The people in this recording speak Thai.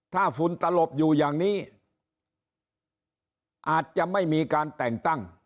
ถ้าฝุ่นตลบอยู่อย่างนี้อาจจะไม่มีการแต่งตั้ง